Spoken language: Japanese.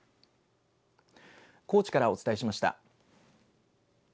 高知からお伝えしました。